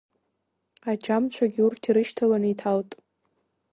Аџьамцәагьы урҭ ирышьҭаланы иҭалт.